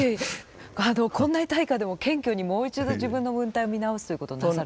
こんなに大家でも謙虚にもう一度自分の文体を見直すということをなさる？